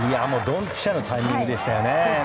ドンピシャのタイミングでしたよね。